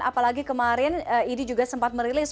apalagi kemarin idi juga sempat merilis